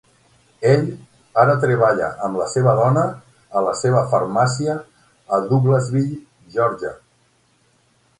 Ell ara treballa amb la seva dona a la seva farmàcia a Douglasville, Geòrgia.